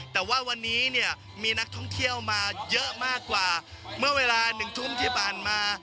แต่ว่าวันนี้เนี่ยมีนักท่องเที่ยวมาเยอะมากกว่าเมื่อเวลา๑ทุ่มที่ผ่านมา